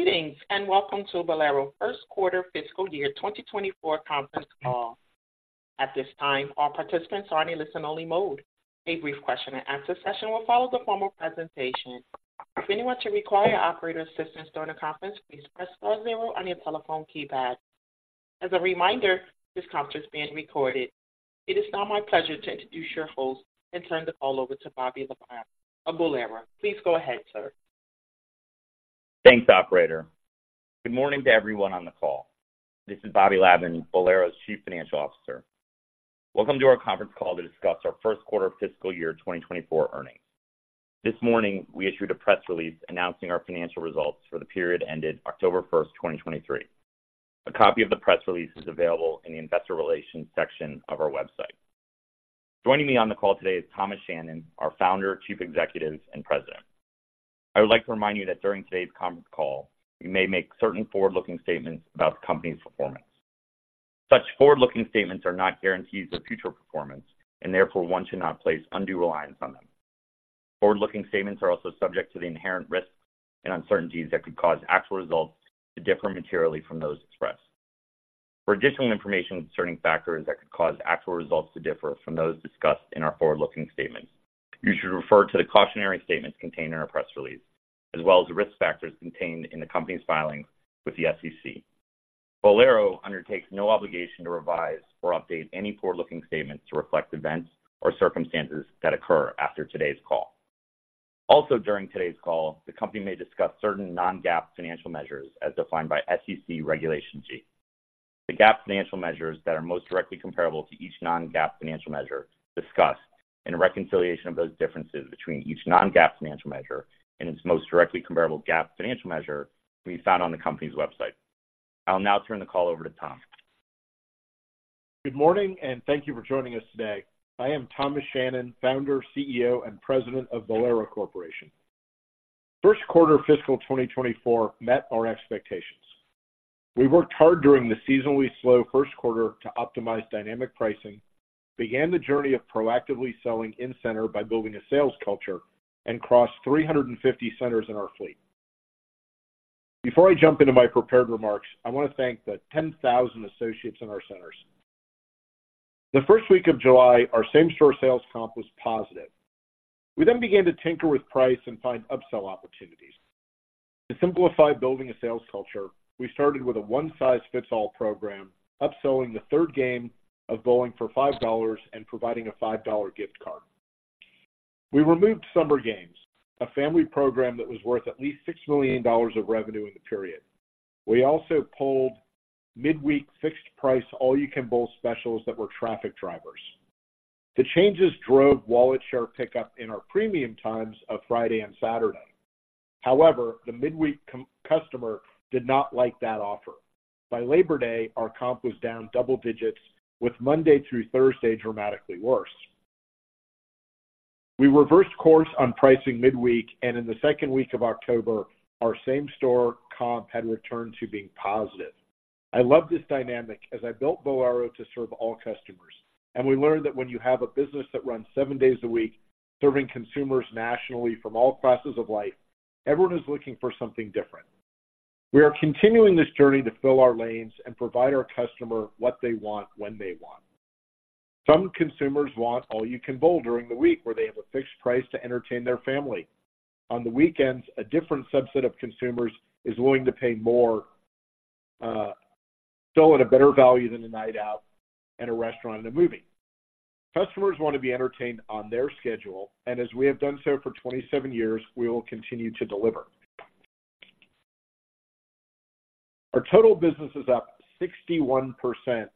Greetings, and welcome to Bowlero first quarter fiscal year 2024 conference call. At this time, all participants are in a listen-only mode. A brief question-and-answer session will follow the formal presentation. If anyone should require operator assistance during the conference, please press star zero on your telephone keypad. As a reminder, this conference is being recorded. It is now my pleasure to introduce your host and turn the call over to Bobby Lavan of Bowlero. Please go ahead, sir. Thanks, operator. Good morning to everyone on the call. This is Bobby Lavan, Bowlero's Chief Financial Officer. Welcome to our conference call to discuss our first quarter of fiscal year 2024 earnings. This morning, we issued a press release announcing our financial results for the period ended October 1, 2023. A copy of the press release is available in the investor relations section of our website. Joining me on the call today is Thomas Shannon, our Founder, Chief Executive, and President. I would like to remind you that during today's conference call, we may make certain forward-looking statements about the company's performance. Such forward-looking statements are not guarantees of future performance, and therefore one should not place undue reliance on them. Forward-looking statements are also subject to the inherent risks and uncertainties that could cause actual results to differ materially from those expressed. For additional information concerning factors that could cause actual results to differ from those discussed in our forward-looking statements, you should refer to the cautionary statements contained in our press release, as well as the risk factors contained in the company's filings with the SEC. Bowlero undertakes no obligation to revise or update any forward-looking statements to reflect events or circumstances that occur after today's call. Also, during today's call, the company may discuss certain non-GAAP financial measures as defined by SEC Regulation G. The GAAP financial measures that are most directly comparable to each non-GAAP financial measure discussed, and a reconciliation of those differences between each non-GAAP financial measure and its most directly comparable GAAP financial measure, can be found on the company's website. I'll now turn the call over to Tom. Good morning, and thank you for joining us today. I am Thomas Shannon, Founder, CEO, and President of Bowlero Corporation. First quarter fiscal 2024 met our expectations. We worked hard during the seasonally slow first quarter to optimize dynamic pricing, began the journey of proactively selling in-center by building a sales culture, and crossed 350 centers in our fleet. Before I jump into my prepared remarks, I want to thank the 10,000 associates in our centers. The first week of July, our same store sales comp was positive. We then began to tinker with price and find upsell opportunities. To simplify building a sales culture, we started with a one-size-fits-all program, upselling the third game of bowling for $5 and providing a $5 gift card. We removed Summer Games, a family program that was worth at least $6 million of revenue in the period. We also pulled midweek fixed price, all-you-can-bowl specials that were traffic drivers. The changes drove wallet share pickup in our premium times of Friday and Saturday. However, the midweek customer did not like that offer. By Labor Day, our comp was down double-digits, with Monday through Thursday dramatically worse. We reversed course on pricing midweek, and in the second week of October, our same-store comp had returned to being positive. I love this dynamic as I built Bowlero to serve all customers, and we learned that when you have a business that runs seven days a week, serving consumers nationally from all classes of life, everyone is looking for something different. We are continuing this journey to fill our lanes and provide our customer what they want, when they want. Some consumers want all-you-can-bowl during the week, where they have a fixed price to entertain their family. On the weekends, a different subset of consumers is willing to pay more, still at a better value than a night out at a restaurant and a movie. Customers want to be entertained on their schedule, and as we have done so for 27 years, we will continue to deliver. Our total business is up 61%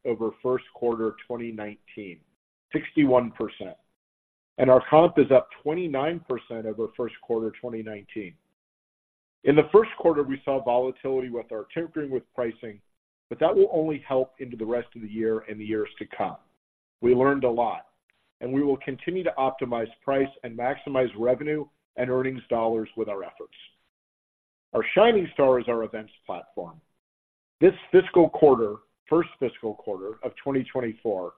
over first quarter of 2019, 61%, and our comp is up 29% over first quarter of 2019. In the first quarter, we saw volatility with our tinkering with pricing, but that will only help into the rest of the year and the years to come. We learned a lot, and we will continue to optimize price and maximize revenue and earnings dollars with our efforts. Our shining star is our Events platform. This fiscal quarter, first fiscal quarter of 2024,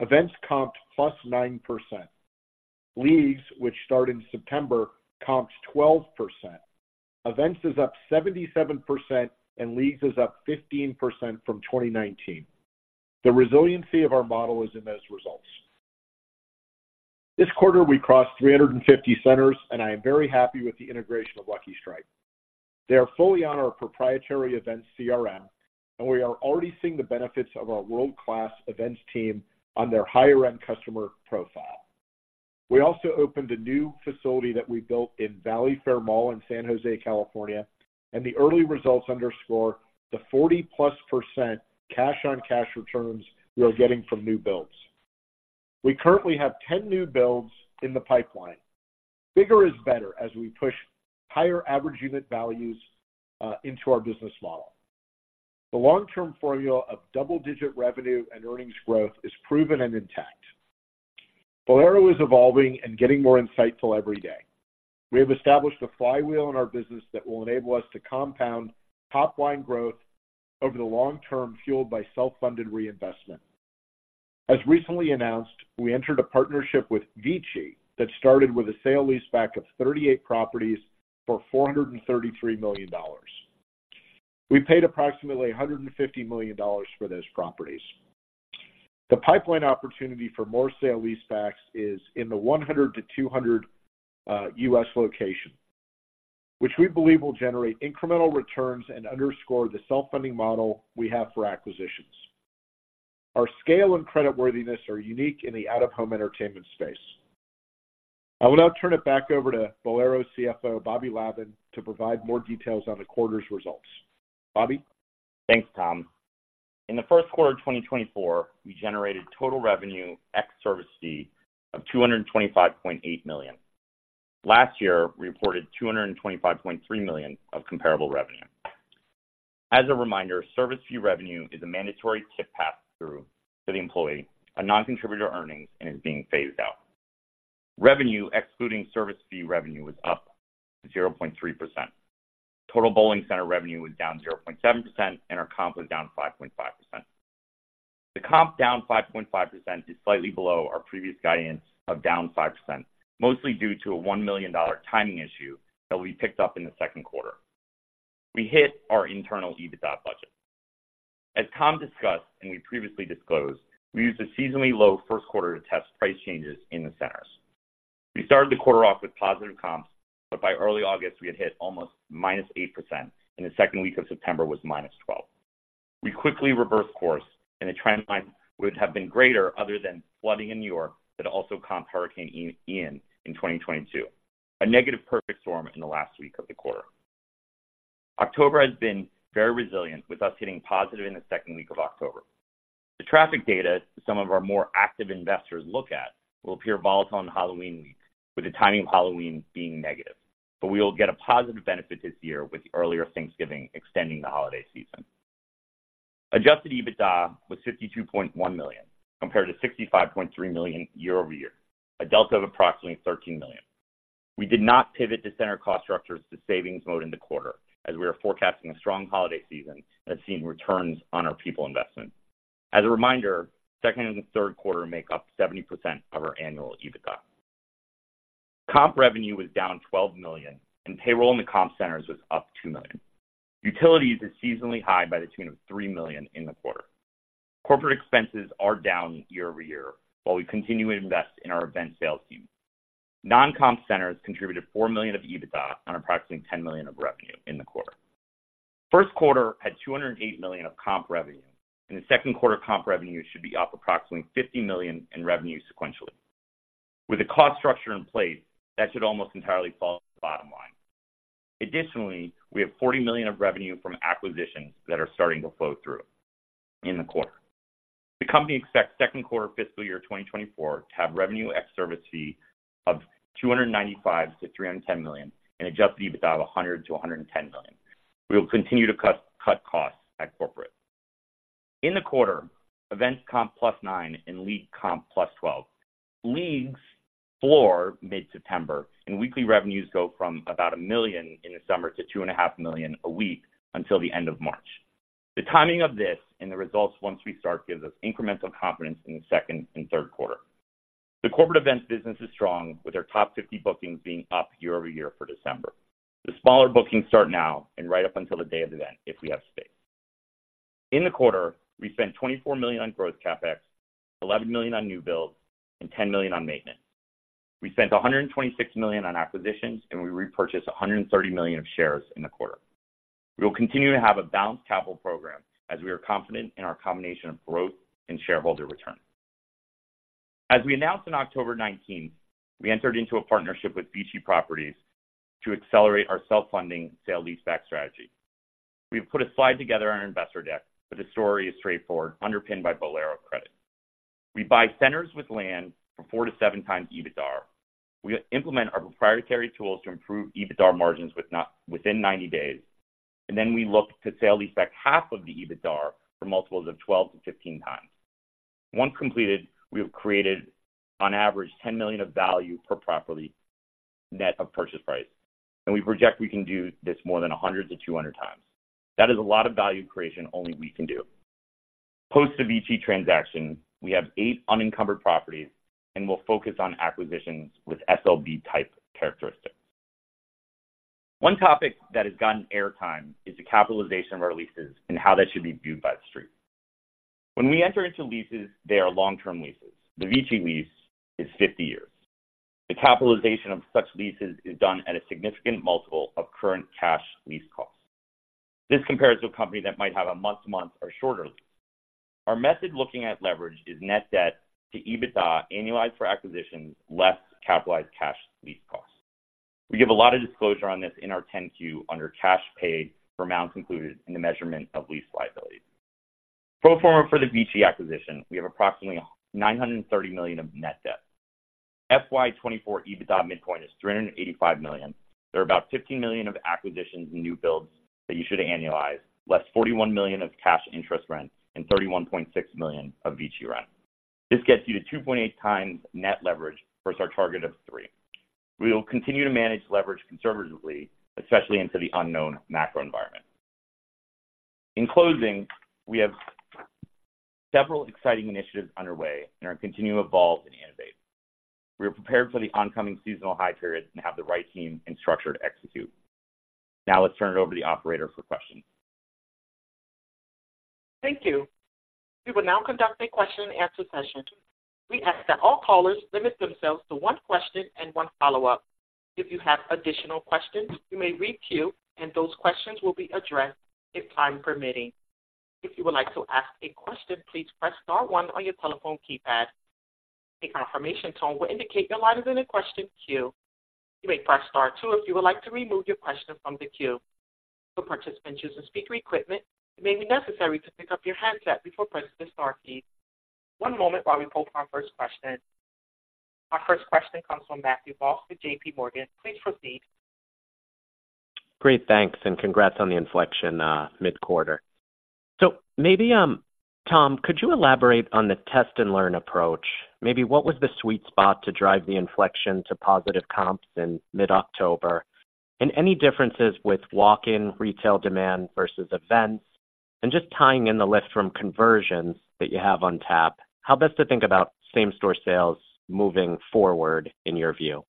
Events comped +9%. Leagues, which start in September, comped 12%. Events is up 77%, and Leagues is up 15% from 2019. The resiliency of our model is in those results. This quarter, we crossed 350 centers, and I am very happy with the integration of Lucky Strike. They are fully on our proprietary events CRM, and we are already seeing the benefits of our world-class events team on their higher-end customer profile. We also opened a new facility that we built in Valley Fair Mall in San Jose, California, and the early results underscore the 40%+ cash-on-cash returns we are getting from new builds. We currently have 10 new builds in the pipeline. Bigger is better as we push higher average unit values into our business model. The long-term formula of double-digit revenue and earnings growth is proven and intact. Bowlero is evolving and getting more insightful every day. We have established a flywheel in our business that will enable us to compound top-line growth over the long term, fueled by self-funded reinvestment. As recently announced, we entered a partnership with VICI that started with a sale-leaseback of 38 properties for $433 million. We paid approximately $150 million for those properties. The pipeline opportunity for more sale-leasebacks is in the 100-200 U.S. locations, which we believe will generate incremental returns and underscore the self-funding model we have for acquisitions. Our scale and creditworthiness are unique in the out-of-home entertainment space. I will now turn it back over to Bowlero CFO, Bobby Lavan, to provide more details on the quarter's results. Bobby? Thanks, Tom. In the first quarter of 2024, we generated total revenue ex service fee of $225.8 million. Last year, we reported $225.3 million of comparable revenue. As a reminder, service fee revenue is a mandatory tip pass-through to the employee, a non-contributor to earnings, and is being phased out. Revenue, excluding service fee revenue, was up 0.3%. Total bowling center revenue was down 0.7%, and our comp was down 5.5%. The comp down 5.5% is slightly below our previous guidance of down 5%, mostly due to a $1 million timing issue that will be picked up in the second quarter. We hit our internal EBITDA budget. As Tom discussed and we previously disclosed, we used a seasonally low first quarter to test price changes in the centers. We started the quarter off with positive comps, but by early August, we had hit almost -8%, and the second week of September was -12%. We quickly reversed course, and the trend line would have been greater other than flooding in New York, that also comped Hurricane Ian in 2022. A negative perfect storm in the last week of the quarter. October has been very resilient, with us getting positive in the second week of October. The traffic data some of our more active investors look at will appear volatile in the Halloween week, with the timing of Halloween being negative. But we will get a positive benefit this year with the earlier Thanksgiving extending the holiday season. Adjusted EBITDA was $52.1 million, compared to $65.3 million year-over-year, a delta of approximately $13 million. We did not pivot to center cost structures to savings mode in the quarter, as we are forecasting a strong holiday season and have seen returns on our people investment. As a reminder, second and the third quarter make up 70% of our annual EBITDA. Comp revenue was down $12 million, and payroll in the comp centers was up $2 million. Utilities is seasonally high by the tune of $3 million in the quarter. Corporate expenses are down year-over-year, while we continue to invest in our event sales team. Non-comp centers contributed $4 million of EBITDA on approximately $10 million of revenue in the quarter. First quarter had $208 million of comp revenue, and the second quarter comp revenue should be up approximately $50 million in revenue sequentially. With a cost structure in place, that should almost entirely fall on the bottom line. Additionally, we have $40 million of revenue from acquisitions that are starting to flow through in the quarter. The company expects second quarter fiscal year 2024 to have revenue ex service fee of $295 million-$310 million and adjusted EBITDA of $100 million-$110 million. We will continue to cut costs at corporate. In the quarter, events comp +9% and league comp +12%. Leagues floor mid-September, and weekly revenues go from about $1 million in the summer to $2.5 million a week until the end of March. The timing of this and the results once we start gives us incremental confidence in the second and third quarter. The corporate events business is strong, with our top 50 bookings being up year-over-year for December. The smaller bookings start now and right up until the day of the event if we have space. In the quarter, we spent $24 million on growth CapEx, $11 million on new builds, and $10 million on maintenance. We spent $126 million on acquisitions, and we repurchased $130 million of shares in the quarter. We will continue to have a balanced capital program as we are confident in our combination of growth and shareholder return. As we announced on October nineteenth, we entered into a partnership with VICI Properties to accelerate our self-funding sale-leaseback strategy. We've put a slide together on our investor deck, but the story is straightforward, underpinned by Bowlero credit. We buy centers with land from 4x-7x EBITDAR. We implement our proprietary tools to improve EBITDAR margins within 90 days, and then we look to sale-leaseback half of the EBITDAR for multiples of 12x-15x. Once completed, we have created on average, $10 million of value per property, net of purchase price, and we project we can do this more than 100-200 times. That is a lot of value creation only we can do. Post the VICI transaction, we have eight unencumbered properties and will focus on acquisitions with SLB-type characteristics. One topic that has gotten airtime is the capitalization of our leases and how that should be viewed by The Street. When we enter into leases, they are long-term leases. The VICI lease is 50 years. The capitalization of such leases is done at a significant multiple of current cash lease costs. This compares to a company that might have a month-to-month or shorter lease. Our method looking at leverage is net debt to EBITDA, annualized for acquisitions, less capitalized cash lease costs. We give a lot of disclosure on this in our 10-Q under cash paid for amounts included in the measurement of lease liabilities. Pro forma for the VICI acquisition, we have approximately $930 million of net debt. FY 2024 EBITDA midpoint is $385 million. There are about $15 million of acquisitions and new builds that you should annualize, less $41 million of cash interest rent and $31.6 million of VICI rent. This gets you to 2.8x net leverage versus our target of 3x. We will continue to manage leverage conservatively, especially into the unknown macro environment. In closing, we have several exciting initiatives underway, and are continuing to evolve and innovate. We are prepared for the oncoming seasonal high periods and have the right team and structure to execute. Now let's turn it over to the operator for questions. Thank you. We will now conduct a question and answer session. We ask that all callers limit themselves to one question and one follow-up. If you have additional questions, you may queue, and those questions will be addressed if time permitting. If you would like to ask a question, please press star one on your telephone keypad. A confirmation tone will indicate your line is in a question queue. You may press star two if you would like to remove your question from the queue. For participants using speaker equipment, it may be necessary to pick up your handset before pressing the star key. One moment while we pull our first question. Our first question comes from Matthew Boss from JPMorgan. Please proceed. Great, thanks, and congrats on the inflection, mid-quarter. So maybe, Tom, could you elaborate on the test and learn approach? Maybe what was the sweet spot to drive the inflection to positive comps in mid-October? And any differences with walk-in Retail demand versus Events, and just tying in the lift from conversions that you have on tap, how best to think about same store sales moving forward in your view?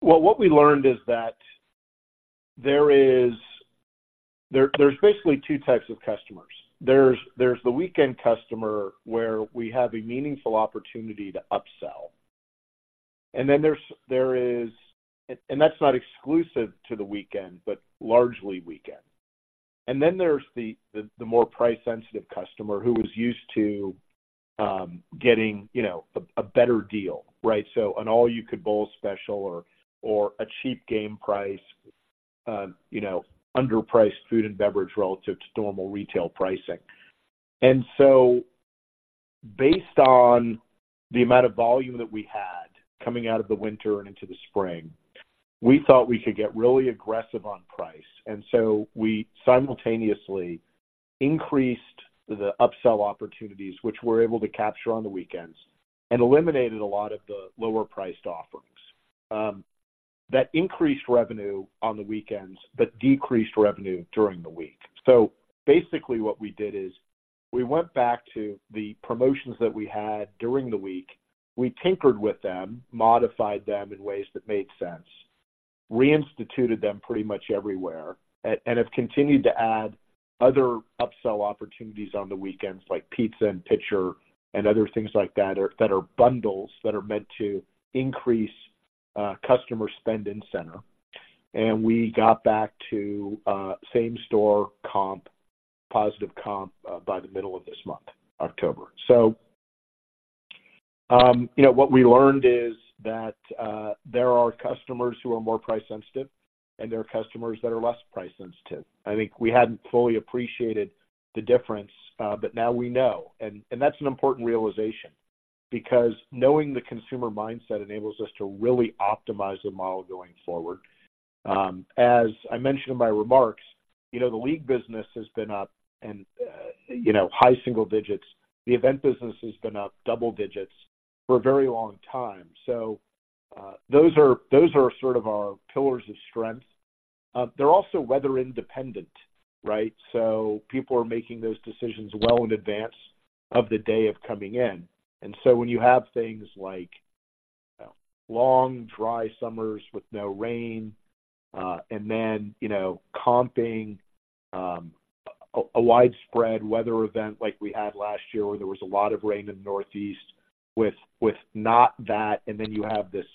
Well, what we learned is that there is. There's basically two types of customers. There's the weekend customer, where we have a meaningful opportunity to upsell. And then there's, and that's not exclusive to the weekend, but largely weekend. And then there's the more price-sensitive customer who is used to getting, you know, a better deal, right? So an all-you-can-bowl special or a cheap game price, you know, underpriced food and beverage relative to normal retail pricing. And so, based on the amount of volume that we had coming out of the winter and into the spring, we thought we could get really aggressive on price. And so we simultaneously increased the upsell opportunities, which we're able to capture on the weekends, and eliminated a lot of the lower-priced offerings. That increased revenue on the weekends but decreased revenue during the week. So basically, what we did is we went back to the promotions that we had during the week. We tinkered with them, modified them in ways that made sense, reinstituted them pretty much everywhere, and have continued to add other upsell opportunities on the weekends, like pizza and pitcher and other things like that, or that are bundles that are meant to increase customer spend in-center. And we got back to same-store comp, positive comp, by the middle of this month, October. So, you know, what we learned is that there are customers who are more price sensitive, and there are customers that are less price sensitive. I think we hadn't fully appreciated the difference, but now we know. That's an important realization, because knowing the consumer mindset enables us to really optimize the model going forward. As I mentioned in my remarks, you know, the league business has been up and you know, high single-digits. The event business has been up double-digits for a very long time. So, those are sort of our pillars of strength. They're also weather independent, right? So people are making those decisions well in advance of the day of coming in. And so when you have things like long, dry summers with no rain, and then, you know, comping a widespread weather event like we had last year, where there was a lot of rain in the Northeast with not that, and then you have this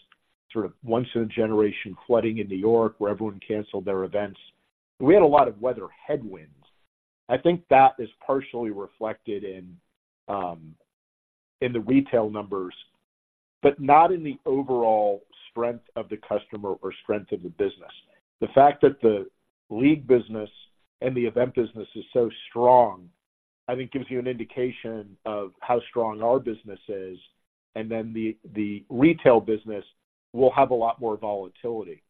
sort of once-in-a-generation flooding in New York, where everyone canceled their events. We had a lot of weather headwinds. I think that is partially reflected in, in the Retail numbers, but not in the overall strength of the customer or strength of the business. The fact that the league business and the event business is so strong, I think gives you an indication of how strong our business is, and then the, the Retail business will have a lot more volatility,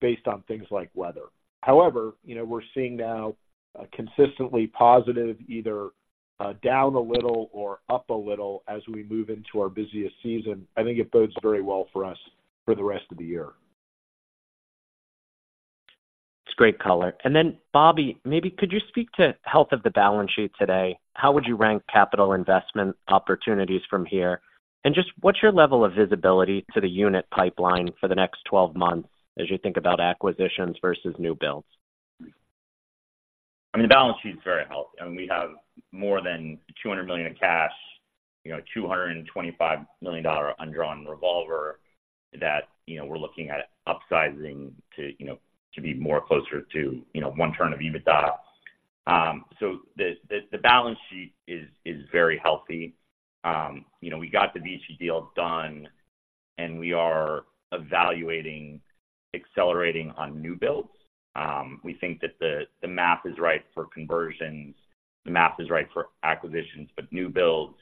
based on things like weather. However, you know, we're seeing now a consistently positive, either, down a little or up a little as we move into our busiest season. I think it bodes very well for us for the rest of the year. It's great color. And then, Bobby, maybe could you speak to health of the balance sheet today? How would you rank capital investment opportunities from here? And just what's your level of visibility to the unit pipeline for the next 12 months as you think about acquisitions versus new builds? I mean, the balance sheet is very healthy. I mean, we have more than $200 million in cash, you know, $225 million undrawn revolver that, you know, we're looking at upsizing to, you know, to be more closer to, you know, one turn of EBITDA. So the balance sheet is very healthy. You know, we got the VICI deal done, and we are evaluating accelerating on new builds. We think that the math is right for conversions, the math is right for acquisitions, but new builds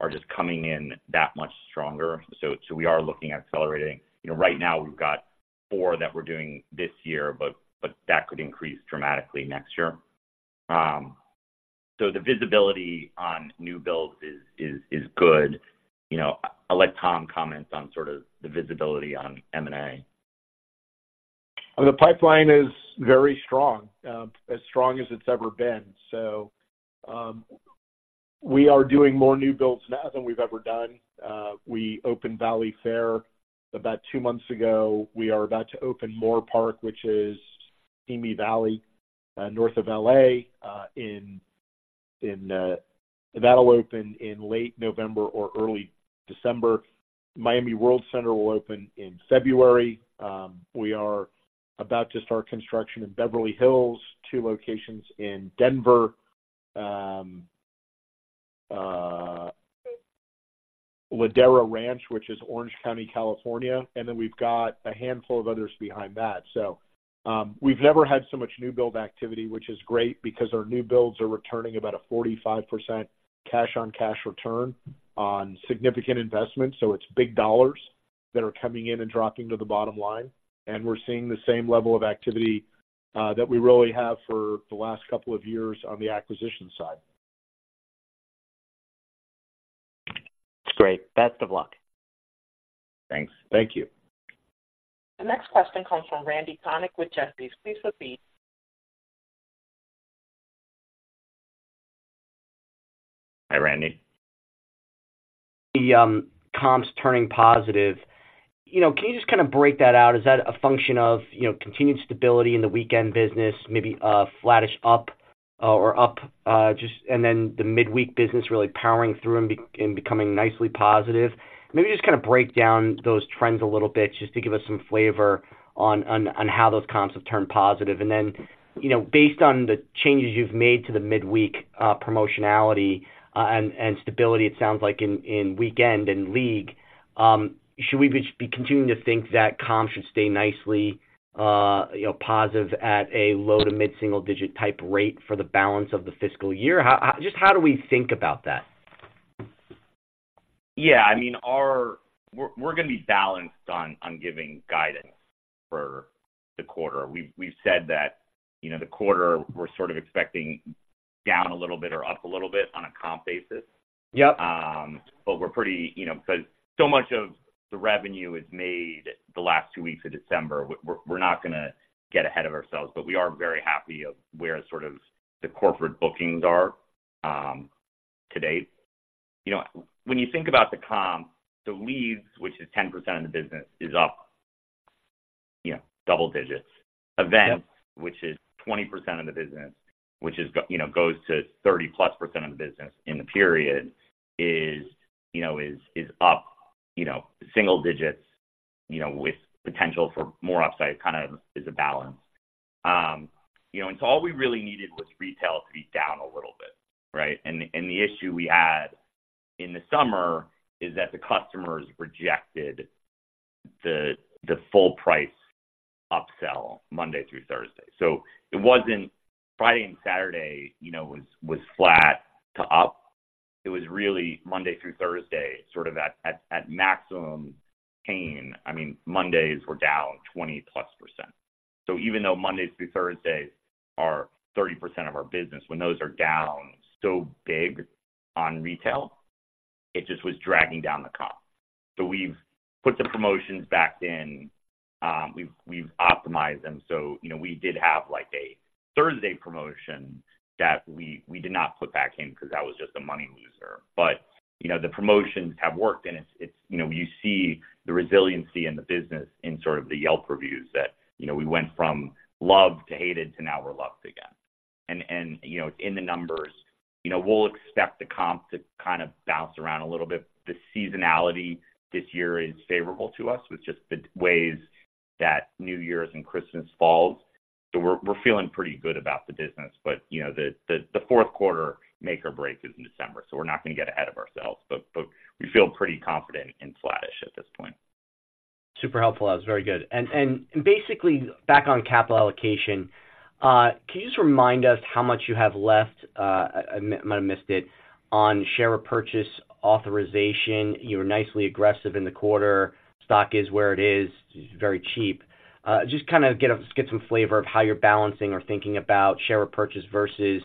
are just coming in that much stronger. So we are looking at accelerating. You know, right now we've got four that we're doing this year, but that could increase dramatically next year. So the visibility on new builds is good. You know, I'll let Tom comment on sort of the visibility on M&A. The pipeline is very strong, as strong as it's ever been. So, we are doing more new builds now than we've ever done. We opened Valley Fair about two months ago. We are about to open Moorpark, which is Simi Valley, north of L.A. That'll open in late November or early December. Miami Worldcenter will open in February. We are about to start construction in Beverly Hills, two locations in Denver, Ladera Ranch, which is Orange County, California, and then we've got a handful of others behind that. So, we've never had so much new build activity, which is great because our new builds are returning about a 45% cash-on-cash return on significant investments. It's big dollars that are coming in and dropping to the bottom line, and we're seeing the same level of activity that we really have for the last couple of years on the acquisition side. That's great. Best of luck. Thanks. Thank you. The next question comes from Randy Konik with Jefferies. Please proceed. Hi, Randy. The comps turning positive. You know, can you just kind of break that out? Is that a function of, you know, continued stability in the weekend business, maybe, flattish up, or up, just—and then the midweek business really powering through and becoming nicely positive? Maybe just kind of break down those trends a little bit just to give us some flavor on how those comps have turned positive. And then, you know, based on the changes you've made to the midweek, promotionality, and stability, it sounds like in weekend and league, should we be continuing to think that comps should stay nicely, you know, positive at a low to mid-single digit type rate for the balance of the fiscal year? Just how do we think about that? Yeah, I mean, we're gonna be balanced on giving guidance for the quarter. We've said that, you know, the quarter, we're sort of expecting down a little bit or up a little bit on a comp basis. Yep. But we're pretty, you know, because so much of the revenue is made the last two weeks of December. We're not gonna get ahead of ourselves, but we are very happy of where sort of the corporate bookings are, to date. You know, when you think about the comp, the Leagues, which is 10% of the business, is up, you know, double-digits. Event, which is 20% of the business, which is, you know, goes to 30%+ of the business in the period is, you know, up, you know, single-digits, you know, with potential for more upside, kind of is a balance. You know, and so all we really needed was Retail to be down a little bit, right? The issue we had in the summer is that the customers rejected the full price upsell Monday through Thursday. So it wasn't Friday and Saturday, you know, was flat to up. It was really Monday through Thursday, sort of at maximum pain. I mean, Mondays were down 20%+. So even though Mondays through Thursdays are 30% of our business, when those are down so big on Retail, it just was dragging down the comp. So we've put the promotions back in, we've optimized them. So, you know, we did have, like, a Thursday promotion that we did not put back in because that was just a money loser. But, you know, the promotions have worked, and it's, you know, you see the resiliency in the business in sort of the Yelp reviews that, you know, we went from loved to hated to now we're loved again. And, you know, it's in the numbers. You know, we'll expect the comp to kind of bounce around a little bit. The seasonality this year is favorable to us with just the ways that New Year's and Christmas falls. So we're feeling pretty good about the business, but, you know, the fourth quarter make or break is in December, so we're not going to get ahead of ourselves. But we feel pretty confident in flattish at this point. Super helpful. That was very good. And basically, back on capital allocation, can you just remind us how much you have left, I might have missed it, on share repurchase authorization? You were nicely aggressive in the quarter. Stock is where it is, very cheap. Just kind of get some flavor of how you're balancing or thinking about share repurchase versus,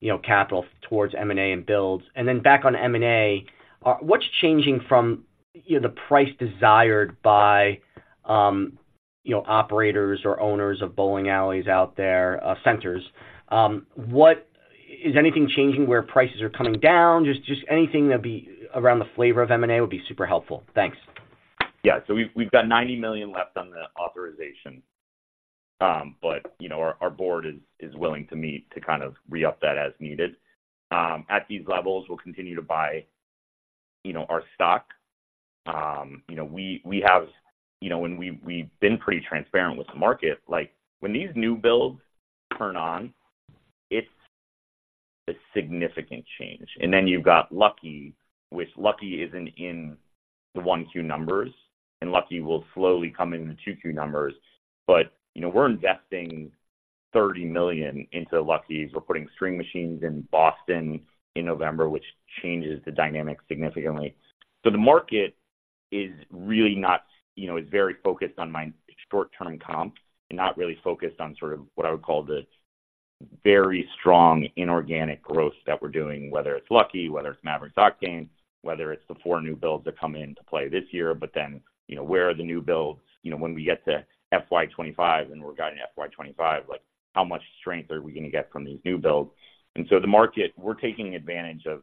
you know, capital towards M&A and builds. And then back on M&A, what's changing from, you know, the price desired by, you know, operators or owners of bowling alleys out there, centers? What is anything changing where prices are coming down? Just anything that'd be around the flavor of M&A would be super helpful. Thanks. Yeah, so we've got $90 million left on the authorization. But, you know, our board is willing to meet to kind of re-up that as needed. At these levels, we'll continue to buy, you know, our stock. You know, we have, you know, and we've been pretty transparent with the market. Like, when these new builds turn on, it's a significant change. And then you've got Lucky, which Lucky isn't in the 1Q numbers, and Lucky will slowly come in the 2Q numbers. But, you know, we're investing $30 million into Lucky's. We're putting string machines in Boston in November, which changes the dynamic significantly. So the market is really not, you know, it is very focused on my short-term comp and not really focused on sort of what I would call the very strong inorganic growth that we're doing, whether it's Lucky, whether it's Mavrix, Octane, whether it's the four new builds that come into play this year. But then, you know, where are the new builds? You know, when we get to FY 2025 and we're guiding FY 2025, like, how much strength are we gonna get from these new builds? And so the market, we're taking advantage of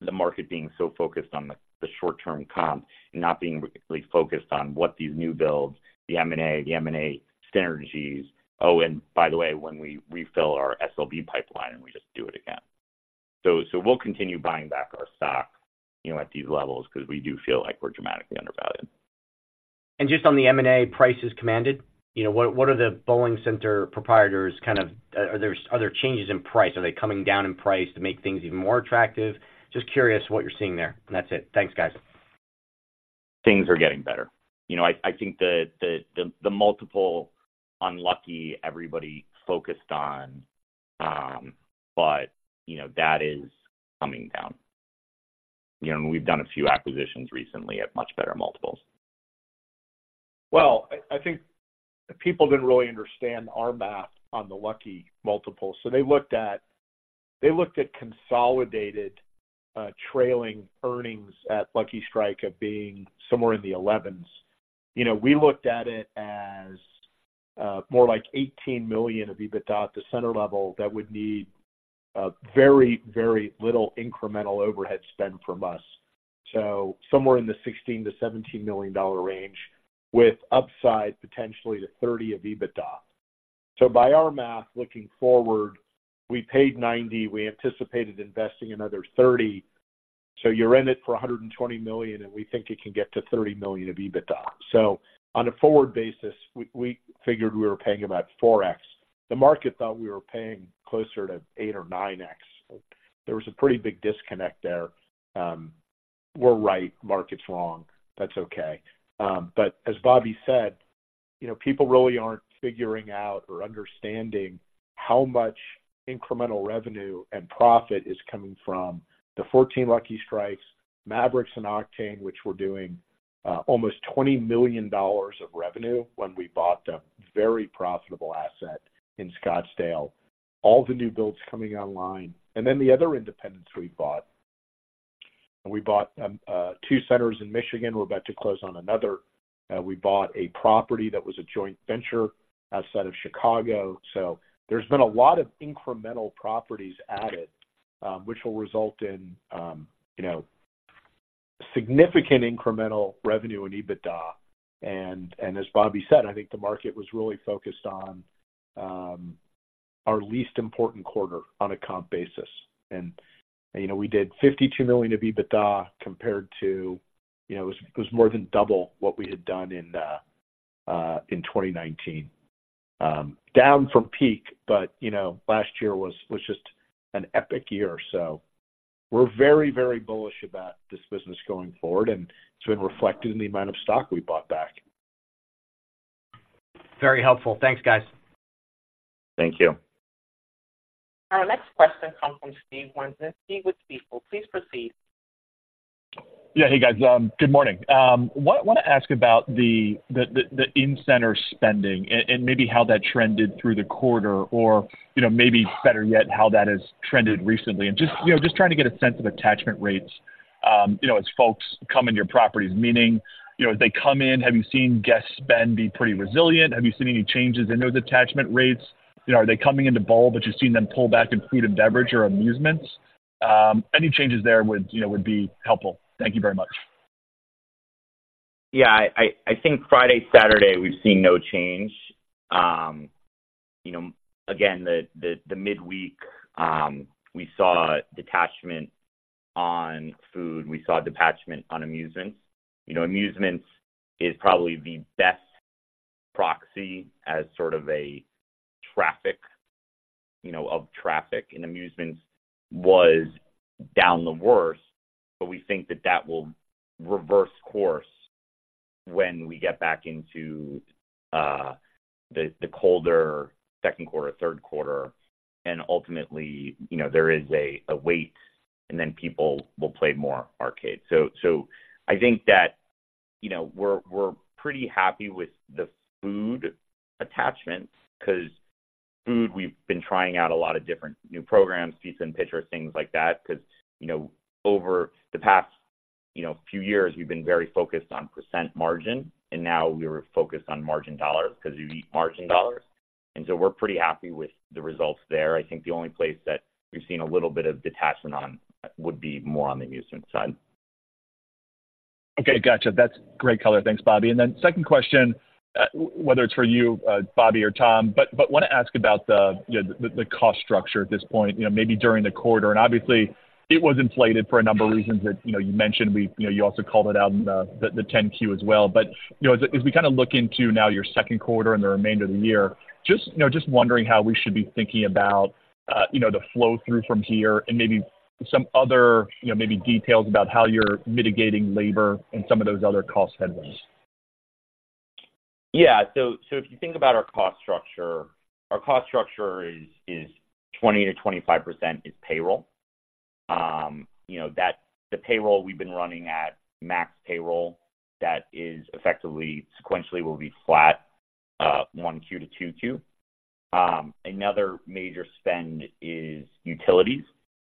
the market being so focused on the, the short-term comp and not being really focused on what these new builds, the M&A, the M&A synergies. Oh, and by the way, when we refill our SLB pipeline, and we just do it again. We'll continue buying back our stock, you know, at these levels because we do feel like we're dramatically undervalued. Just on the M&A prices commanded, you know, what are the bowling center proprietors kind of. Are there changes in price? Are they coming down in price to make things even more attractive? Just curious what you're seeing there. And that's it. Thanks, guys. Things are getting better. You know, I think the multiple on Lucky everybody focused on, but, you know, that is coming down. You know, and we've done a few acquisitions recently at much better multiples. Well, I think people didn't really understand our math on the Lucky multiple. So they looked at, they looked at consolidated, trailing earnings at Lucky Strike of being somewhere in the 11s. You know, we looked at it as more like $18 million of EBITDA at the center level that would need very, very little incremental overhead spend from us. So somewhere in the $16 million-$17 million range, with upside potentially to $30 million of EBITDA. So by our math, looking forward, we paid $90 million, we anticipated investing another $30 million. So you're in it for $120 million, and we think it can get to $30 million of EBITDA. So on a forward basis, we figured we were paying about 4x. The market thought we were paying closer to 8x or 9x. There was a pretty big disconnect there. We're right, market's wrong. That's okay. But as Bobby said, you know, people really aren't figuring out or understanding how much incremental revenue and profit is coming from the 14 Lucky Strikes, Mavrix, and Octane, which we're doing almost $20 million of revenue when we bought them. Very profitable asset in Scottsdale. All the new builds coming online. And then the other independents we bought. We bought two centers in Michigan. We're about to close on another. We bought a property that was a joint venture outside of Chicago. So there's been a lot of incremental properties added, which will result in, you know, significant incremental revenue and EBITDA. And as Bobby said, I think the market was really focused on our least important quarter on a comp basis. You know, we did $52 million of EBITDA compared to, you know, it was, it was more than double what we had done in, in 2019. Down from peak, but, you know, last year was, was just an epic year. So we're very, very bullish about this business going forward, and it's been reflected in the amount of stock we bought back. Very helpful. Thanks, guys. Thank you. Our next question comes from Steve Wieczynski. Steve, with Stifel. Please proceed. Yeah. Hey, guys, good morning. Want to ask about the in-center spending and maybe how that trended through the quarter, or, you know, maybe better yet, how that has trended recently. And just, you know, just trying to get a sense of attachment rates, you know, as folks come into your properties, meaning, you know, as they come in, have you seen guest spend be pretty resilient? Have you seen any changes in those attachment rates? You know, are they coming into bowl, but you're seeing them pull back in food and beverage or amusements? Any changes there would, you know, be helpful. Thank you very much. Yeah, I think Friday, Saturday, we've seen no change. You know, again, the midweek, we saw detachment on food, we saw detachment on amusements. You know, amusements is probably the best proxy as sort of a traffic, you know, of traffic, and amusements was down the worst, but we think that that will reverse course when we get back into the colder second quarter, third quarter. And ultimately, you know, there is a weight, and then people will play more arcade. So, I think that, you know, we're pretty happy with the food attachment, because food, we've been trying out a lot of different new programs, pizza and pitcher, things like that, because, you know, over the past, you know, few years, we've been very focused on percent margin, and now we're focused on margin dollars, because you eat margin dollars. And so we're pretty happy with the results there. I think the only place that we've seen a little bit of detachment on would be more on the amusement side. Okay, gotcha. That's great color. Thanks, Bobby. And then second question, whether it's for you, Bobby or Tom, but want to ask about the, you know, the cost structure at this point, you know, maybe during the quarter. And obviously, it was inflated for a number of reasons that, you know, you mentioned. You know, you also called it out in the 10-Q as well. But, you know, as we kind of look into now your second quarter and the remainder of the year, just, you know, just wondering how we should be thinking about, you know, the flow-through from here and maybe some other, you know, maybe details about how you're mitigating labor and some of those other cost headwinds. Yeah. So if you think about our cost structure, our cost structure is 20%-25% payroll. You know, that - the payroll we've been running at max payroll, that is effectively sequentially will be flat, Q1 to Q2. Another major spend is utilities.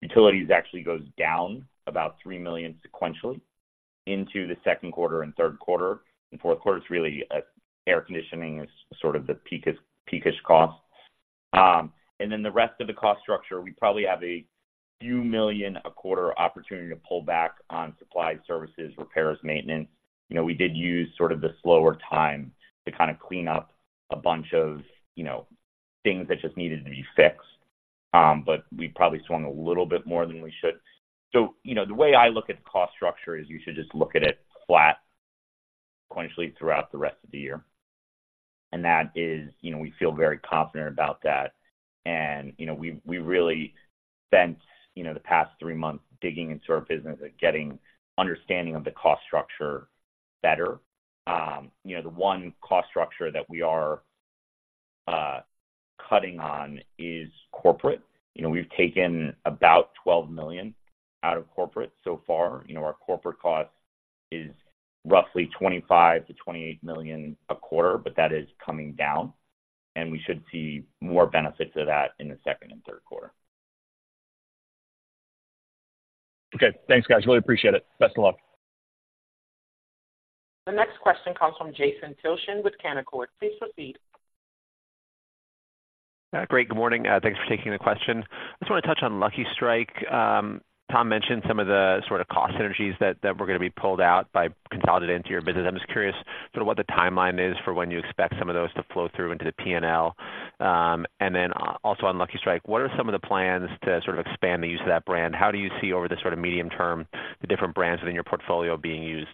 Utilities actually goes down about $3 million sequentially into the second quarter and third quarter. In fourth quarter, it's really air conditioning is sort of the peakish cost. And then the rest of the cost structure, we probably have a few million a quarter opportunity to pull back on supplies, services, repairs, maintenance. You know, we did use sort of the slower time to kind of clean up a bunch of, you know, things that just needed to be fixed, but we probably swung a little bit more than we should. So, you know, the way I look at the cost structure is you should just look at it flat sequentially throughout the rest of the year. And that is, you know, we feel very confident about that. And, you know, we really spent, you know, the past three months digging into our business and getting understanding of the cost structure better. You know, the one cost structure that we are cutting on is corporate. You know, we've taken about $12 million out of corporate so far. You know, our corporate cost is roughly $25 million-$28 million a quarter, but that is coming down, and we should see more benefit to that in the second and third quarter. Okay, thanks, guys. Really appreciate it. Best of luck. The next question comes from Jason Tilchen with Canaccord. Please proceed. Great, good morning. Thanks for taking the question. I just want to touch on Lucky Strike. Tom mentioned some of the sort of cost synergies that were going to be pulled out by consolidating into your business. I'm just curious sort of what the timeline is for when you expect some of those to flow through into the P&L. And then also on Lucky Strike, what are some of the plans to sort of expand the use of that brand? How do you see over the sort of medium term, the different brands within your portfolio being used?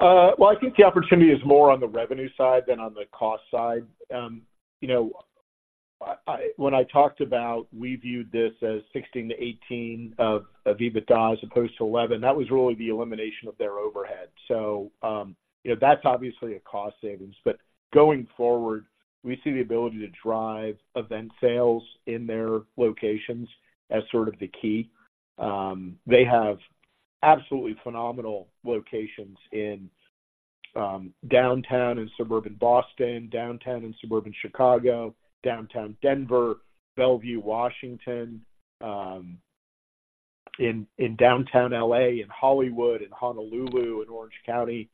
Well, I think the opportunity is more on the revenue side than on the cost side. You know, I, when I talked about we viewed this as 16-18 of EBITDA as opposed to 11, that was really the elimination of their overhead. So, you know, that's obviously a cost savings, but going forward, we see the ability to drive event sales in their locations as sort of the key. They have absolutely phenomenal locations in downtown and suburban Boston, downtown and suburban Chicago, downtown Denver, Bellevue, Washington, in downtown L.A., in Hollywood, in Honolulu, in Orange County,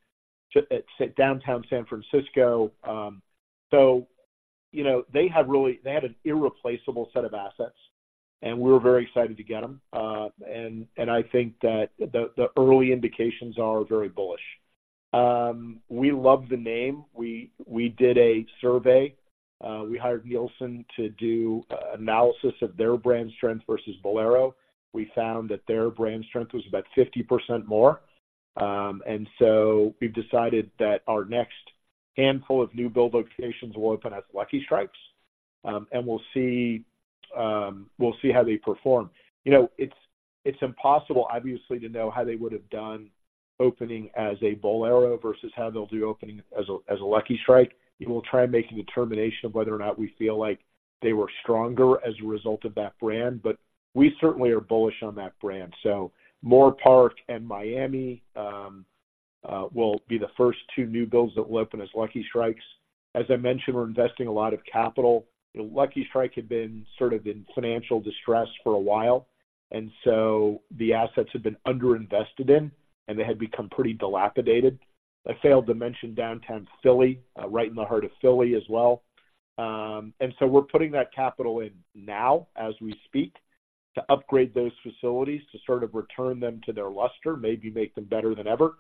downtown San Francisco. So you know, they have really, they have an irreplaceable set of assets, and we're very excited to get them. And I think that the early indications are very bullish. We love the name. We, we did a survey. We hired Nielsen to do an analysis of their brand strength versus Bowlero. We found that their brand strength was about 50% more. And so we've decided that our next handful of new build locations will open as Lucky Strikes, and we'll see how they perform. You know, it's impossible, obviously, to know how they would have done opening as a Bowlero versus how they'll do opening as a Lucky Strike. We will try and make a determination of whether or not we feel like they were stronger as a result of that brand, but we certainly are bullish on that brand. So Moorpark and Miami will be the first two new builds that will open as Lucky Strikes. As I mentioned, we're investing a lot of capital. Lucky Strike had been sort of in financial distress for a while, and so the assets had been underinvested in, and they had become pretty dilapidated. I failed to mention downtown Philly, right in the heart of Philly as well. And so we're putting that capital in now, as we speak, to upgrade those facilities, to sort of return them to their luster, maybe make them better than ever.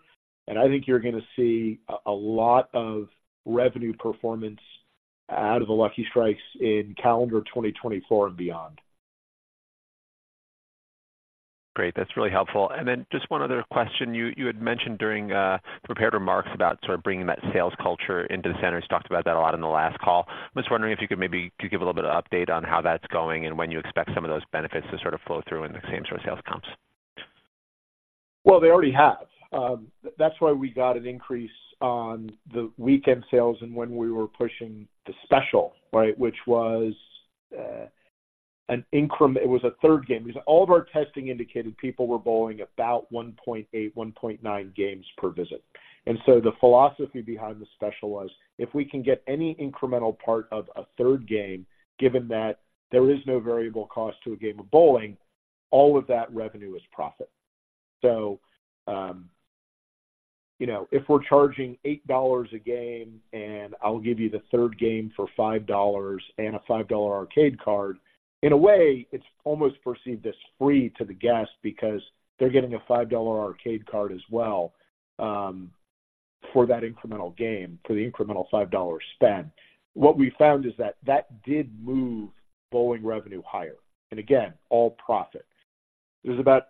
And I think you're going to see a, a lot of revenue performance out of the Lucky Strikes in calendar 2024 and beyond. Great, that's really helpful. And then just one other question. You, you had mentioned during prepared remarks about sort of bringing that sales culture into the centers. You talked about that a lot in the last call. I was wondering if you could maybe give a little bit of update on how that's going and when you expect some of those benefits to sort of flow through in the same store sales comps? Well, they already have. That's why we got an increase on the weekend sales and when we were pushing the special, right, which was, an increment. It was a third game. Because all of our testing indicated people were bowling about 1.8, 1.9 games per visit. And so the philosophy behind the special was, if we can get any incremental part of a third game, given that there is no variable cost to a game of bowling, all of that revenue is profit. So, you know, if we're charging $8 a game, and I'll give you the third game for $5 and a $5 arcade card, in a way, it's almost perceived as free to the guest because they're getting a $5 arcade card as well, for that incremental game, for the incremental $5 spend. What we found is that that did move bowling revenue higher, and again, all profit. There's about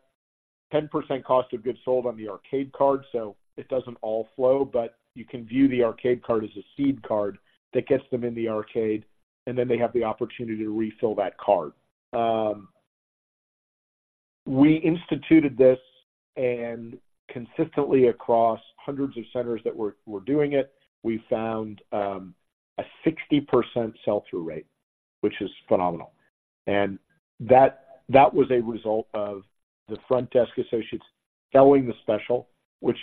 10% cost of goods sold on the arcade card, so it doesn't all flow, but you can view the arcade card as a seed card that gets them in the arcade, and then they have the opportunity to refill that card. We instituted this, and consistently across hundreds of centers that were doing it, we found a 60% sell-through rate, which is phenomenal. And that was a result of the front desk associates selling the special, which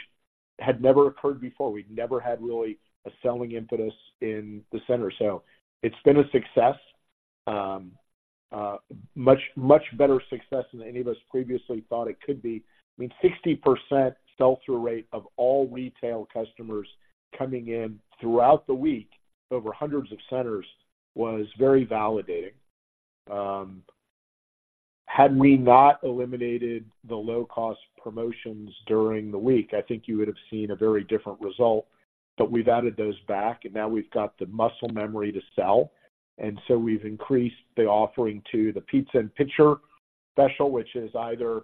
had never occurred before. We'd never had really a selling impetus in the center. So it's been a success, much better success than any of us previously thought it could be. I mean, 60% sell-through rate of all retail customers coming in throughout the week, over hundreds of centers, was very validating. Had we not eliminated the low-cost promotions during the week, I think you would have seen a very different result, but we've added those back, and now we've got the muscle memory to sell. And so we've increased the offering to the pizza and pitcher special, which is either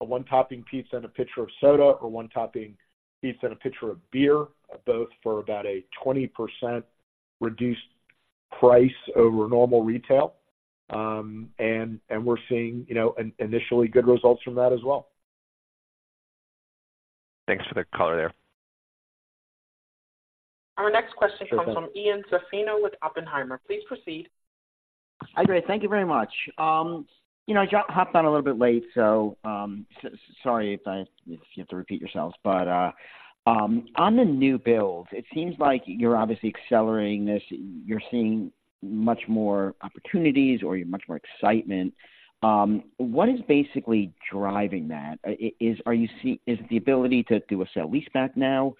a one-topping pizza and a pitcher of soda, or one-topping pizza and a pitcher of beer, both for about a 20% reduced price over normal retail. And we're seeing, you know, initially good results from that as well. Thanks for the color there. Our next question comes from Ian Zaffino with Oppenheimer. Please proceed. Hi, great. Thank you very much. You know, I hopped on a little bit late, so, sorry if I, if you have to repeat yourselves. But, on the new builds, it seems like you're obviously accelerating this, you're seeing much more opportunities or you're much more excitement. What is basically driving that? Is it the ability to do a sale-leaseback now?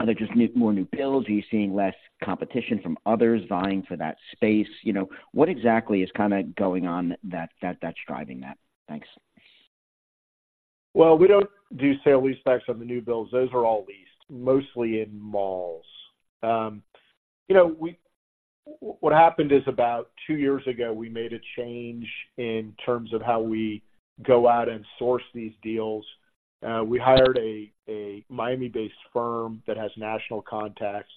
Are there just new, more new builds? Are you seeing less competition from others vying for that space? You know, what exactly is kind of going on that that's driving that? Thanks. Well, we don't do sale-leasebacks on the new builds. Those are all leased, mostly in malls. You know, what happened is, about two years ago, we made a change in terms of how we go out and source these deals. We hired a Miami-based firm that has national contacts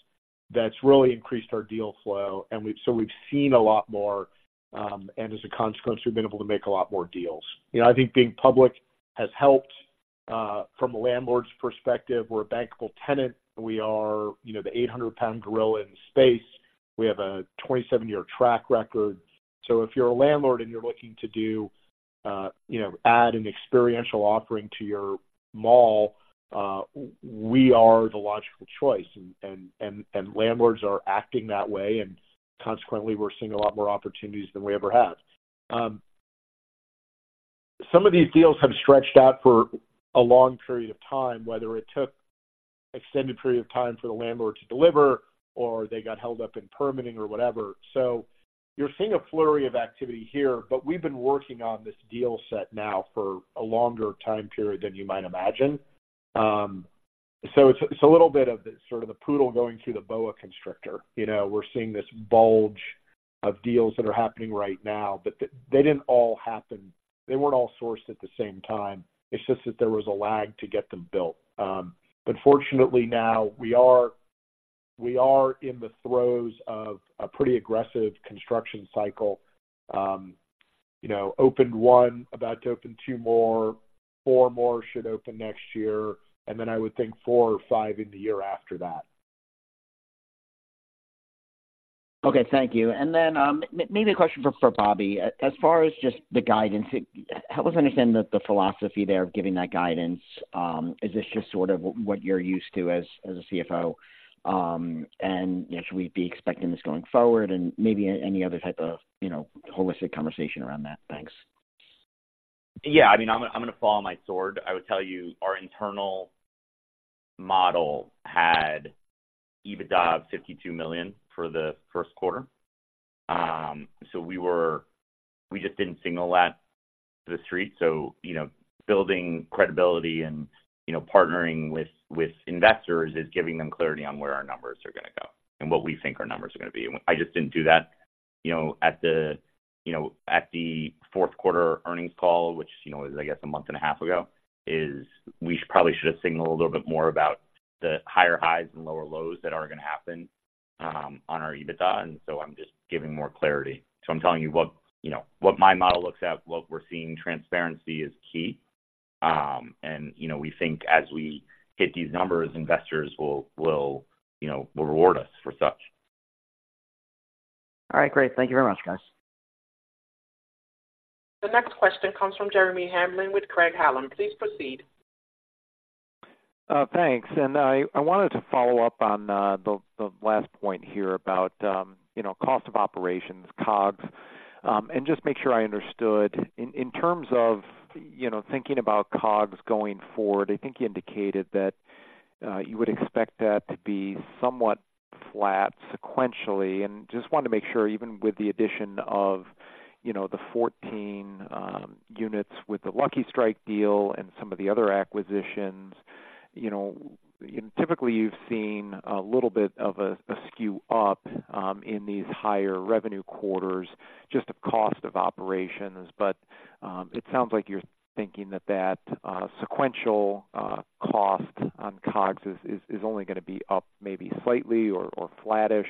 that's really increased our deal flow, and so we've seen a lot more, and as a consequence, we've been able to make a lot more deals. You know, I think being public has helped, from a landlord's perspective. We're a bankable tenant. We are, you know, the 800-pound gorilla in the space. We have a 27-year track record. So if you're a landlord and you're looking to do, you know, add an experiential offering to your mall, we are the logical choice. Landlords are acting that way, and consequently, we're seeing a lot more opportunities than we ever have. Some of these deals have stretched out for a long period of time, whether it took extended period of time for the landlord to deliver or they got held up in permitting or whatever. So you're seeing a flurry of activity here, but we've been working on this deal set now for a longer time period than you might imagine. So it's a little bit of the sort of the poodle going through the boa constrictor. You know, we're seeing this bulge of deals that are happening right now, but they didn't all happen. They weren't all sourced at the same time. It's just that there was a lag to get them built. But fortunately now we are in the throes of a pretty aggressive construction cycle. You know, opened one, about to open two more, four more should open next year, and then I would think four or five in the year after that. Okay, thank you. And then, maybe a question for Bobby. As far as just the guidance, help us understand the philosophy there of giving that guidance. Is this just sort of what you're used to as a CFO? And, you know, should we be expecting this going forward and maybe any other type of, you know, holistic conversation around that? Thanks. Yeah, I mean, I'm going to fall on my sword. I would tell you, our internal model had EBITDA of $52 million for the first quarter. So we just didn't signal that to The Street. So, you know, building credibility and, you know, partnering with investors is giving them clarity on where our numbers are going to go and what we think our numbers are going to be. I just didn't do that, you know, at the, you know, at the fourth quarter earnings call, which, you know, is, I guess, a month and a half ago. We probably should have signaled a little bit more about the higher highs and lower lows that are going to happen on our EBITDA, and so I'm just giving more clarity. So I'm telling you what, you know, what my model looks at, what we're seeing. Transparency is key. You know, we think as we hit these numbers, investors will, you know, reward us for such. All right, great. Thank you very much, guys. The next question comes from Jeremy Hamblin with Craig-Hallum. Please proceed. Thanks. And I wanted to follow up on the last point here about, you know, cost of operations, COGS, and just make sure I understood. In terms of, you know, thinking about COGS going forward, I think you indicated that you would expect that to be somewhat flat sequentially, and just wanted to make sure, even with the addition of, you know, the 14 units with the Lucky Strike deal and some of the other acquisitions, you know, typically, you've seen a little bit of a skew up in these higher revenue quarters, just of cost of operations. But it sounds like you're thinking that sequential cost on COGS is only going to be up maybe slightly or flattish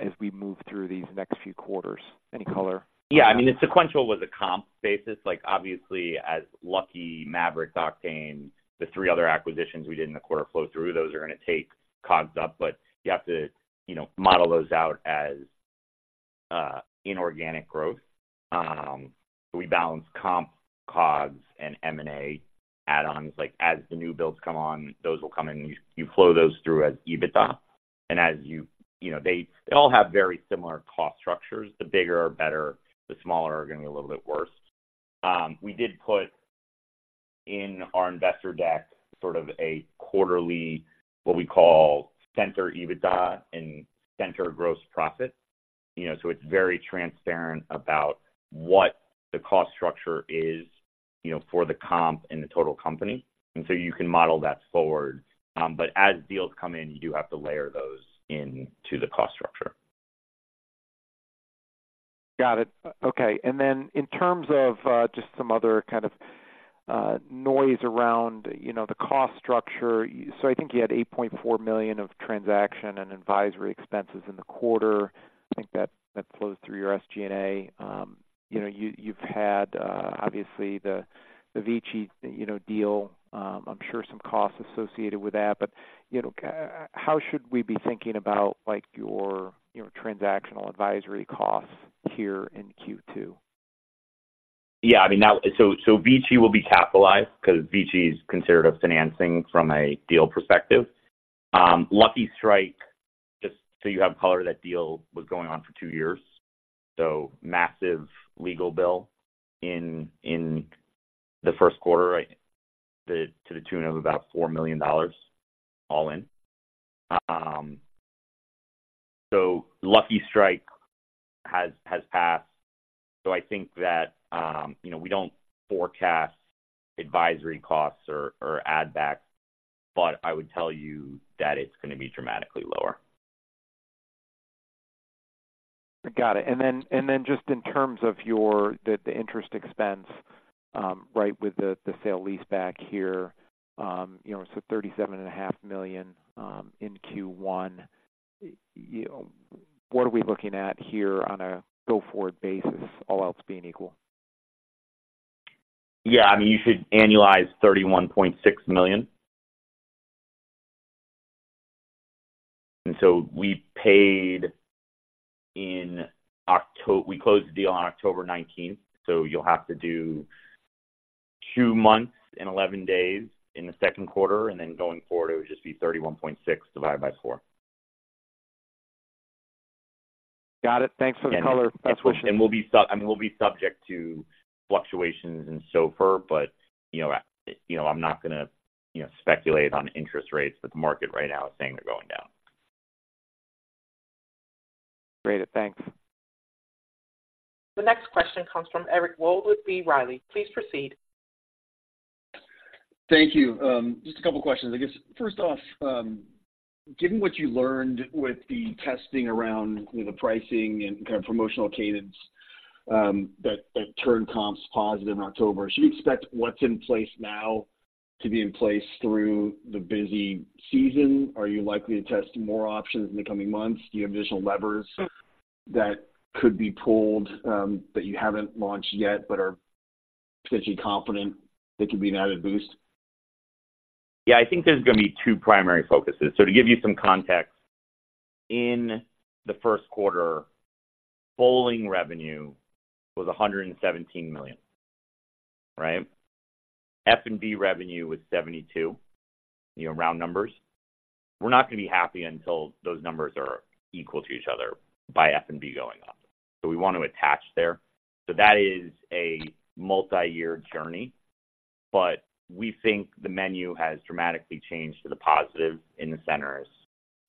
as we move through these next few quarters, any color? Yeah, I mean, the sequential was a comp basis. Like, obviously, as Lucky, Mavrix, Octane, the three other acquisitions we did in the quarter flow through, those are going to take COGS up, but you have to, you know, model those out as inorganic growth. We balance comp, COGS, and M&A add-ons. Like, as the new builds come on, those will come in, you flow those through as EBITDA. And as you know, they all have very similar cost structures. The bigger are better, the smaller are going to be a little bit worse. We did put in our investor deck sort of a quarterly, what we call center EBITDA and center gross profit. You know, so it's very transparent about what the cost structure is, you know, for the comp and the total company, and so you can model that forward. But as deals come in, you do have to layer those into the cost structure. Got it. Okay. Then in terms of just some other kind of noise around, you know, the cost structure. So I think you had $8.4 million of transaction and advisory expenses in the quarter. I think that flows through your SG&A. You know, you've had obviously the VICI deal. I'm sure some costs associated with that. But you know how should we be thinking about like your transactional advisory costs here in Q2? Yeah, I mean, now, so VICI will be capitalized because VICI is considered a financing from a deal perspective. Lucky Strike, just so you have color, that deal was going on for two years, so massive legal bill in the first quarter to the tune of about $4 million, all in. So Lucky Strike has passed. So I think that, you know, we don't forecast advisory costs or add-backs, but I would tell you that it's going to be dramatically lower. Got it. And then just in terms of your, the interest expense, right, with the sale-leaseback here, you know, so $37.5 million in Q1. What are we looking at here on a go-forward basis, all else being equal? Yeah, I mean, you should annualize $31.6 million. And so we paid in October. We closed the deal on October 19, so you'll have to do two months and 11 days in the second quarter, and then going forward, it would just be 31.6 divided by four. Got it. Thanks for the color. We'll be subject to fluctuations in SOFR, but, you know, I, you know, I'm not gonna, you know, speculate on interest rates, but the market right now is saying they're going down. Great. Thanks. The next question comes from Eric Wold with B. Riley. Please proceed. Thank you. Just a couple questions. I guess, first off, given what you learned with the testing around the pricing and kind of promotional cadence, that turned comps positive in October, should we expect what's in place now to be in place through the busy season? Are you likely to test more options in the coming months? Do you have additional levers that could be pulled, that you haven't launched yet, but are potentially confident they could be an added boost? Yeah, I think there's going to be two primary focuses. So to give you some context, in the first quarter, bowling revenue was $117 million, right? F&B revenue was $72 million, you know, round numbers. We're not going to be happy until those numbers are equal to each other by F&B going up. So we want to attach there. So that is a multi-year journey, but we think the menu has dramatically changed to the positive in the centers.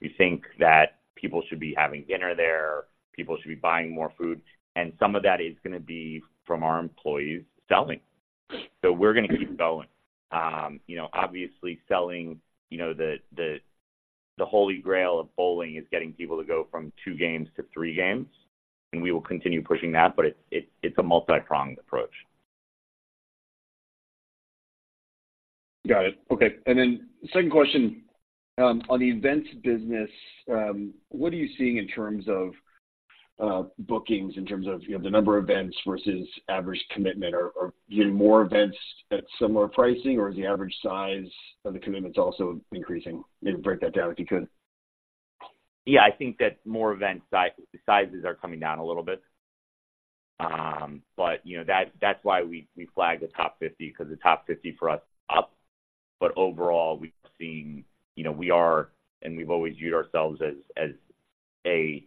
We think that people should be having dinner there, people should be buying more food, and some of that is going to be from our employees selling. So we're going to keep going. You know, obviously selling, you know, the holy grail of bowling is getting people to go from two games to three games, and we will continue pushing that, but it's a multipronged approach. Got it. Okay. And then second question, on the Events business, what are you seeing in terms of bookings, in terms of, you know, the number of events versus average commitment? Or getting more events at similar pricing, or is the average size of the commitments also increasing? Maybe break that down, if you could. Yeah, I think that more event sizes are coming down a little bit. But, you know, that, that's why we, we flagged the Top 50, because the Top 50 for us up. But overall, we've seen. You know, we are, and we've always viewed ourselves as, as a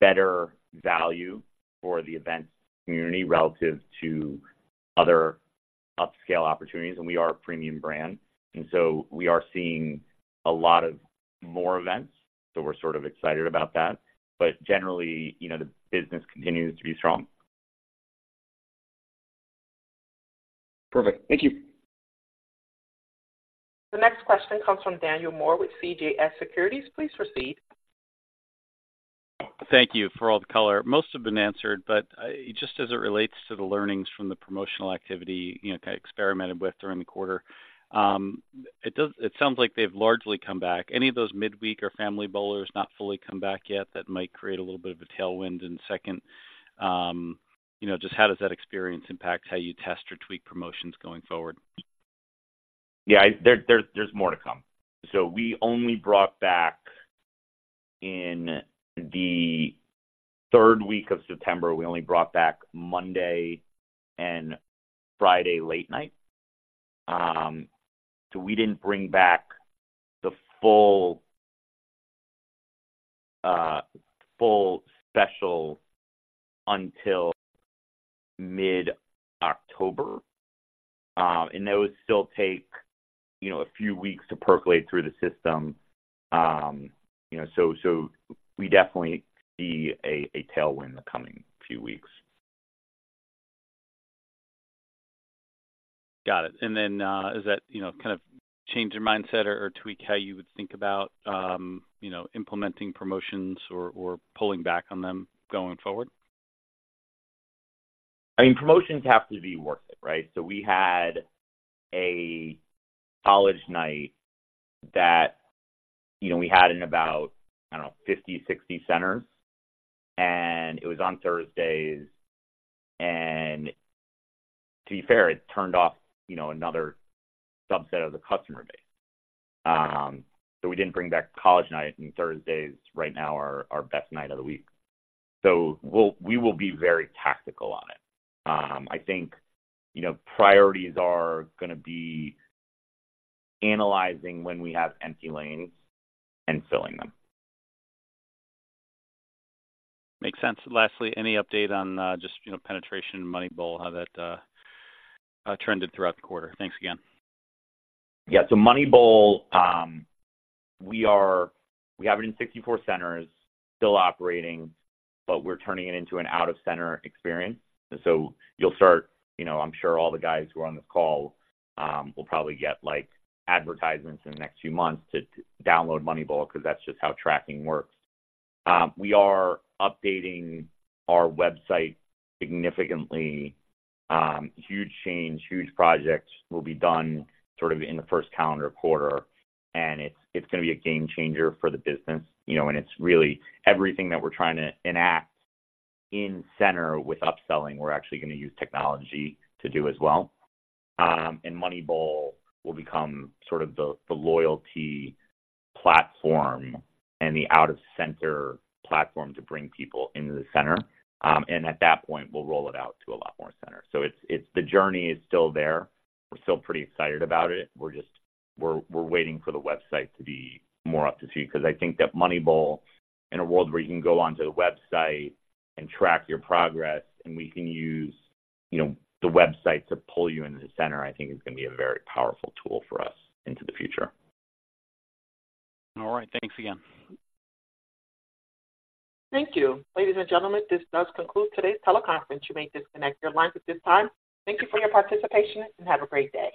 better value for the event community relative to other upscale opportunities, and we are a premium brand. And so we are seeing a lot of more events, so we're sort of excited about that. But generally, you know, the business continues to be strong. Perfect. Thank you. The next question comes from Daniel Moore with CJS Securities. Please proceed. Thank you for all the color. Most have been answered, but just as it relates to the learnings from the promotional activity, you know, kind of experimented with during the quarter, it sounds like they've largely come back. Any of those midweek or family bowlers not fully come back yet, that might create a little bit of a tailwind in second. You know, just how does that experience impact how you test or tweak promotions going forward? Yeah, there's more to come. So we only brought back in the third week of September. We only brought back Monday and Friday, late night. So we didn't bring back the full special until mid-October. And those still take, you know, a few weeks to percolate through the system. You know, so we definitely see a tailwind in the coming few weeks. Got it. And then, does that, you know, kind of change your mindset or, or tweak how you would think about, you know, implementing promotions or, or pulling back on them going forward? I mean, promotions have to be worth it, right? So we had a college night that, you know, we had in about, I don't know, 50, 60 centers, and it was on Thursdays. And to be fair, it turned off, you know, another subset of the customer base. So we didn't bring back college night, and Thursdays, right now, are our best night of the week. So we'll be very tactical on it. I think, you know, priorities are gonna be analyzing when we have empty lanes and filling them. Makes sense. Lastly, any update on, just, you know, penetration MoneyBowl, how that trended throughout the quarter? Thanks again. Yeah, so MoneyBowl, we have it in 64 centers, still operating, but we're turning it into an out-of-center experience. So you'll start. You know, I'm sure all the guys who are on this call will probably get, like, advertisements in the next few months to download MoneyBowl, because that's just how tracking works. We are updating our website significantly. Huge change, huge projects will be done sort of in the first calendar quarter, and it's, it's gonna be a game changer for the business, you know, and it's really everything that we're trying to enact in center with upselling, we're actually gonna use technology to do as well. MoneyBowl will become sort of the, the loyalty platform and the out-of-center platform to bring people into the center. And at that point, we'll roll it out to a lot more centers. So it's the journey is still there. We're still pretty excited about it. We're just waiting for the website to be more up to speed, because I think that MoneyBowl, in a world where you can go onto the website and track your progress, and we can use, you know, the website to pull you into the center, I think is gonna be a very powerful tool for us into the future. All right. Thanks again. Thank you. Ladies and gentlemen, this does conclude today's teleconference. You may disconnect your lines at this time. Thank you for your participation, and have a great day.